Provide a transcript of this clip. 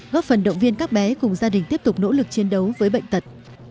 góp phần động viên các bé cùng gia đình tiếp tục nỗ lực chiến đấu với bệnh tật